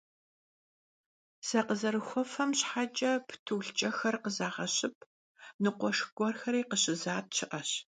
Sakhızerıxuefem şheç'e ptulhç'exer khızağeşıp; nıkhueşşx guerxeri khışızat şı'eş.